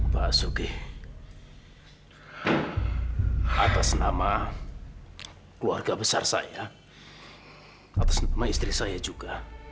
pak suge atas nama keluarga besar saya atas nama istri saya juga